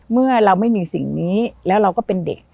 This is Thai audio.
เมื่อเราไม่มีสิ่งนี้แล้วเราก็เป็นเด็ก